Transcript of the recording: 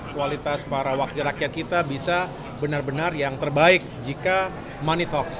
kualitas para wakil rakyat kita bisa benar benar yang terbaik jika money tox